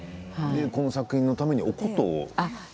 この作品のためにお琴を？